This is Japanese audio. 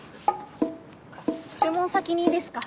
注文先にいいですか？